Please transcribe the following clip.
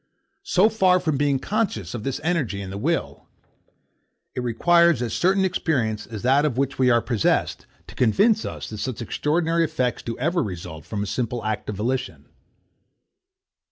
So far from being conscious of this energy in the will, it requires as certain experience as that of which we are possessed, to convince us that such extraordinary effects do ever result from a simple act of volition.